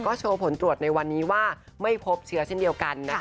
โชว์ผลตรวจในวันนี้ว่าไม่พบเชื้อเช่นเดียวกันนะคะ